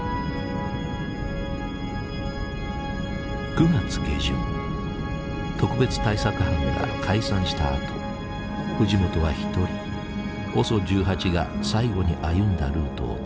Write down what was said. ９月下旬特別対策班が解散したあと藤本は一人ＯＳＯ１８が最後に歩んだルートをたどっていた。